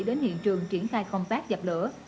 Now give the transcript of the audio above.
đến hiện trường triển khai công tác dập lửa